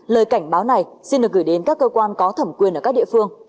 lời cảnh báo này xin được gửi đến các cơ quan có thẩm quyền ở các địa phương